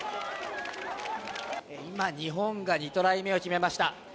今、日本が２トライ目を決めました。